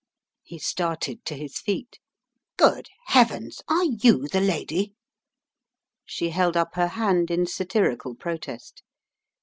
He started to his feet. "Good heavens! are you the lady?" She held up her hand in satirical protest.